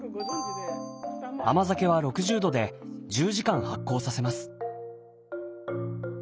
甘酒は６０度で１０時間発酵させます。